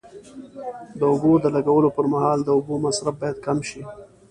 د اوبو د لګولو پر مهال د اوبو مصرف باید کم شي.